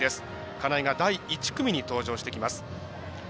金井が第１組に登場してきます。